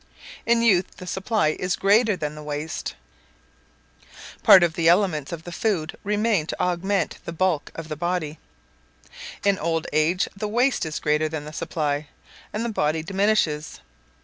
In youth the supply is greater than the waste. Part of the elements of the food remain to augment the bulk of the body. In old age the waste is greater than the supply, and the body diminishes.